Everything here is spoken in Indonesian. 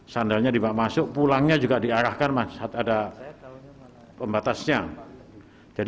sandalnya dibawa masuk pulangnya juga diarahkan saat ada pembatasnya